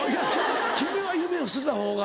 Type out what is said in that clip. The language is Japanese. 君は夢を捨てた方が。